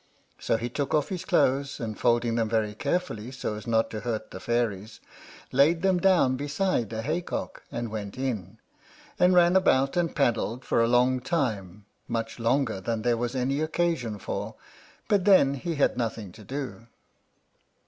So he took off his clothes, and folding them very carefully, so as not to hurt the fairies, laid them down beside a hay cock, and went in, and ran about and paddled for a long time, much longer than there was any occasion for; but then he had nothing to do.